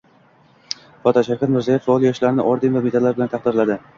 Foto: Shavkat Mirziyoyev faol yoshlarni orden va medallar bilan taqdirladi